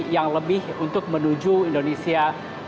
yang lebih untuk menuju indonesia